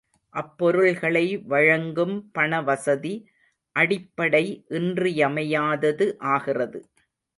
அப்பொருள்களை வழங்கும் பண வசதி, அடிப்படை இன்றியமையாதது ஆகிறது.